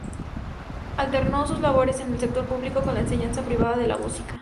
Alternó sus labores en el sector público con la enseñanza privada de la música.